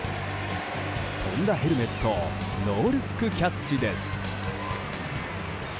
飛んだヘルメットをノールックキャッチです。